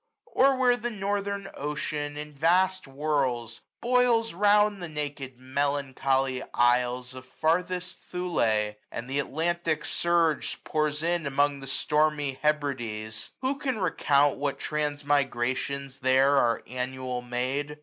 . Or where the Northern ocean, in vast whirls, 860 Boils round the naked melancholy isles Of farthest Thul^, and the Atlantic surge Pours in among the stormy Hebrides ; Who can recount what transmigrations there Are annual made?